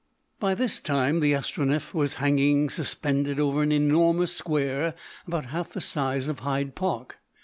By this time the Astronef was hanging suspended over an enormous square about half the size of Hyde Park.